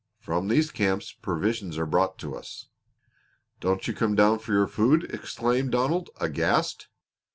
From these camps provisions are brought to us." "Don't you come down for your food!" exclaimed Donald, aghast.